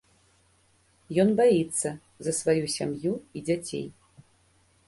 Ён баіцца за сваю сям'ю і дзяцей.